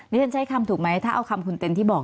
นี่ฉันใช้คำถูกไหมถ้าเอาคำคุณเต็มที่บอก